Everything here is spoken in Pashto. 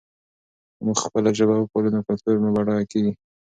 که موږ خپله ژبه وپالو نو کلتور مو بډایه کېږي.